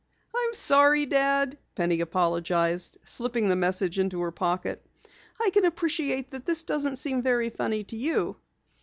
"I'm sorry, Dad," Penny apologized, slipping the message into her pocket. "I can appreciate that this doesn't seem very funny to you."